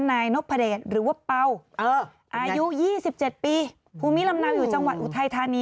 นายนกพระเดชน์หรือว่าเป้าเอออายุยี่สิบเจ็ดปีภูมิลำนาวอยู่จังหวัดอุทัยทานี